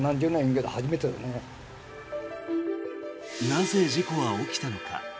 なぜ事故は起きたのか。